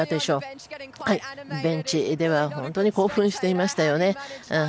ベンチでは本当に興奮していましたよね。